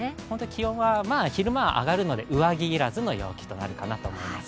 気温は昼間は上がるので、上着いらずの陽気となるかなと思います。